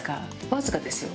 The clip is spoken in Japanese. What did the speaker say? わずかですよ。